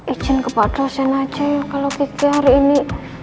ijin kepada dosen aja ya kalau kiki hari ini